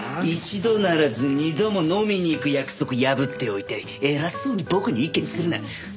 一度ならず二度も飲みに行く約束破っておいて偉そうに僕に意見するな。